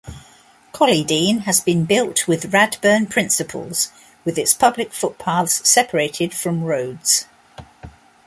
Collydean has been built with Radburn principles with its public footpaths separated from roads.